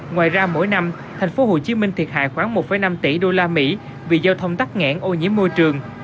ngoài ra mỗi năm tp hcm thiệt hại khoảng một năm tỷ usd vì giao thông tắt nghẽn ô nhiễm môi trường